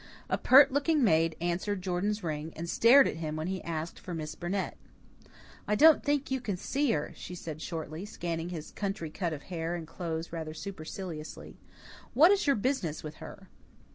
A pert looking maid answered Jordan's ring, and stared at him when he asked for Miss Burnett. "I don't think you can see her," she said shortly, scanning his country cut of hair and clothes rather superciliously. "What is your business with her?"